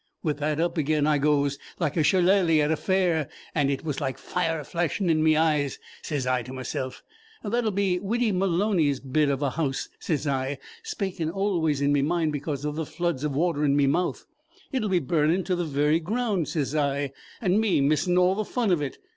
With that up again I goes, like a shellaly at a fair; and it was like fire flashing in me eyes. Sez I to meself: 'That 'll be Widdy Malony's bit of a house,' sez I, spaking always in me mind because of the floods of water in me mouth. 'It'll be burning to the very ground,' sez I, 'and me missing all the fun of it.